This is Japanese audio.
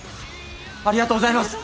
ありがとうございます。